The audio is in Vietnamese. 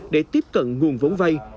để tiếp cận nguồn vốn vay